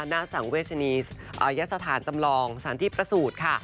หน้าสังเวชนียศยศฐานจำลองสถานที่ประสูทค่ะ